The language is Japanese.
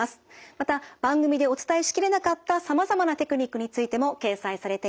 また番組でお伝えしきれなかったさまざまなテクニックについても掲載されています。